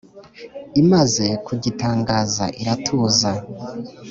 Imaze kugitangaza iratuza